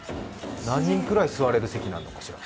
何人くらい座れる席なんでしょう？